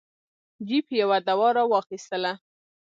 جیف یوه دوا را واخیستله.